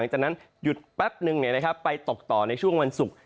หยุดแป๊บหนึ่งไปตกต่อในช่วงวันศุกร์